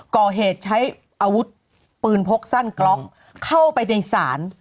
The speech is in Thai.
ก่อเหตุใช้อาวุธปืนพกสั้นกล็อกเข้าไปในศาล